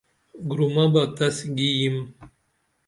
گُرومہ بہ تس گی یم